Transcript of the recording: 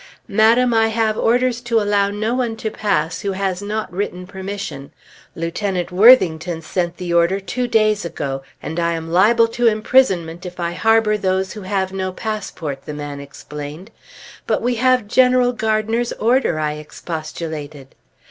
"Madam, I have orders to allow no one to pass who has not written permission. Lieutenant Worthington sent the order two days ago; and I am liable to imprisonment if I harbor those who have no passport," the man explained. "But we have General Gardiner's order," I expostulated.